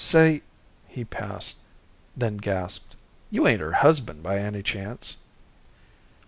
Say " He paused, then gaped. "You ain't her husband by any chance?"